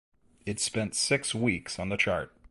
It spent six weeks on the chart.